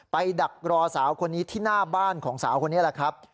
ดักรอสาวคนนี้ที่หน้าบ้านของสาวคนนี้แหละครับ